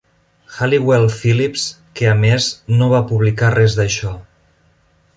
Halliwell-Phillips, que a més no va publicar res d'això.